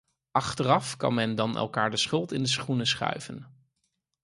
Achteraf kan men dan elkaar de schuld in de schoenen schuiven.